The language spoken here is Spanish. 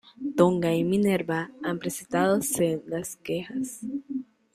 Tonga y Minerva han presentado sendas quejas.